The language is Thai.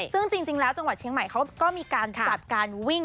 ซึ่งจริงแล้วจังหวัดเชียงใหม่เขาก็มีการจัดการวิ่ง